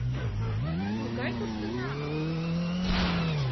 Могай тушто намыс?!